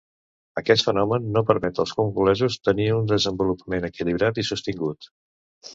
Aquest fenomen no permet als congolesos tenir un desenvolupament equilibrat i sostingut.